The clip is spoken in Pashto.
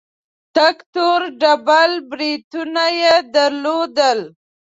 تک تور ډبل برېتونه يې درلودل.